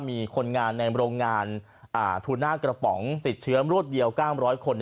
มีคนงานในโรงงานทูน่ากระป๋องติดเชื้อรวดเดียว๙๐๐คน